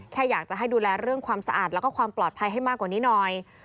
แค่อยากจะให้ดูแลเรื่องความสะอาดแล้วก็ความปลอดภัยให้มากกว่านี้หน่อย